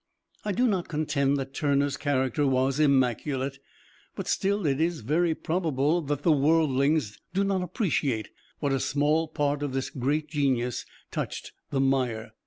I do not contend that Turner's character was immaculate, but still it is very probable that worldlings do not appreciate what a small part of this great genius touched the mire.